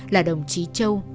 là đồng chí châu